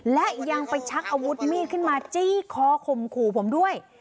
และยังไปชักอาวุธมีดขึ้นมาจี้คอข่มขู่ผมด้วย